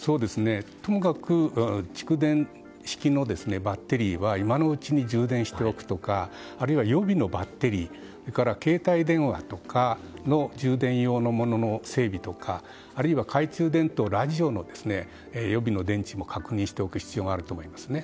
ともかく蓄電式のバッテリーは今のうちに充電しておくとかあるいは予備のバッテリーそれから携帯電話の充電用のものの整備とか、あるいは懐中電灯ラジオの予備の電池も確認しておく必要があると思いますね。